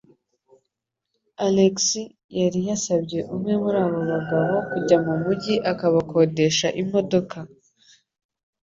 Alex yari yasabye umwe muri abo bagabo kujya mu mujyi akabakodesha imodoka.